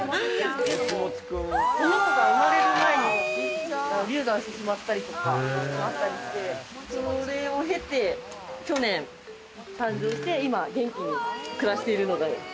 この子が生まれる前に流産してしまったりとかあったりしてそれを経て去年誕生して、今元気に暮らしているのが。